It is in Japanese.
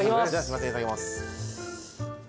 いただきます。